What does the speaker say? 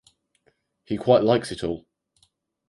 He quite likes it all.